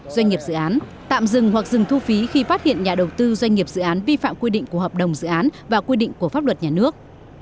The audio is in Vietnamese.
doanh nghiệp dự án tạm dừng hoặc dừng thu phí khi phát hiện nhà đầu tư doanh nghiệp dự án vi phạm quy định của hợp đồng dự án và quy định của pháp luật nhà nước